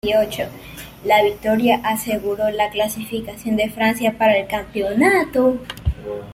La victoria aseguró la clasificación de Francia para el campeonato.